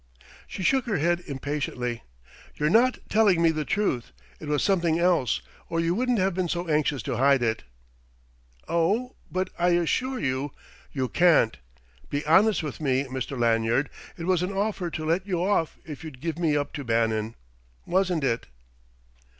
She shook her head impatiently: "You're not telling me the truth. It was something else, or you wouldn't have been so anxious to hide it." "Oh, but I assure you !" "You can't. Be honest with me, Mr. Lanyard. It was an offer to let you off if you'd give me up to Bannon wasn't it?"